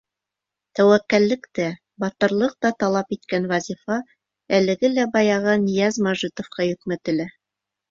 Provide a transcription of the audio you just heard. Тәүәккәллек тә, батырлыҡ та талап иткән вазифа әлеге лә баяғы Нияз Мәжитовҡа йөкмәтелә.